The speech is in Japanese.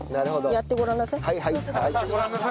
やってごらんなさい。